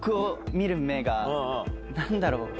何だろう。